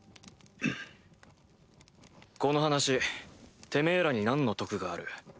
この話てめぇらに何の得がある？